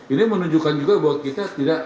ini menunjukkan juga buat kita tidak